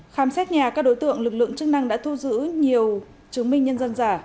khám xét nhà các đối tượng lực lượng chức năng đã thu giữ nhiều chứng minh nhân dân giả